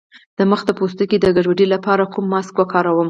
د مخ د پوستکي د ګډوډۍ لپاره کوم ماسک وکاروم؟